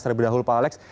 dari berdahulu pak alex